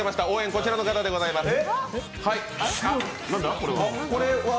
こちらの方でございます。